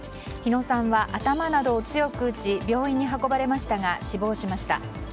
日野さんは、頭などを強く打ち病院に運ばれましたが死亡しました。